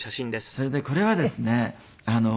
それでこれはですね